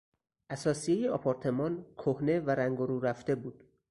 اثاثیهی آپارتمان کهنه و رنگ و رو رفته بود.